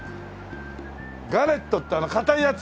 ガレットってあの硬いやつ？